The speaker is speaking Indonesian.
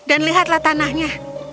dan lihatlah tanahnya